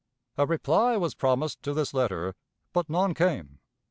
A reply was promised to this letter, but none came.